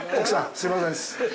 すいませんです。